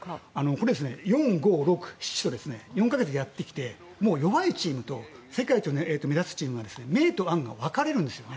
これは４、５、６、７と４か月やってきて弱いチームと世界を目指すチームの明と暗が分かれるんです。